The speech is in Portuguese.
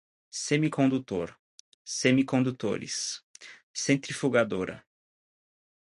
semicondutor, semicondutores, centrifugadora